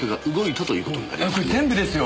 これ全部ですよ！